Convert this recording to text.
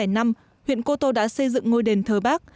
năm hai nghìn năm huyện cô tô đã xây dựng ngôi đền thờ bác